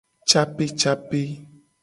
Capecape.